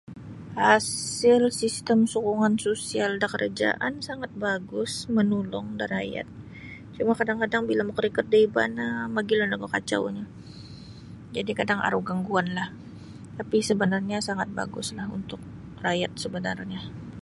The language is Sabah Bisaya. Hasil sistem sokongan sosial da karajaan sangat bagus manulung da rayat cuma kadang-kadang bila makarikot da iba no mogilo no gu kacaunyo jadi kadang aru gangguan lah tapi sabanarnya sangat baguslah untuk rayat sabanrnyo.